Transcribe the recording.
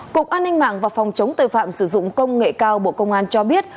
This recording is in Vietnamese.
cục an ninh mạng và phòng chống tội phạm sử dụng công nghệ cao bộ công an cho biết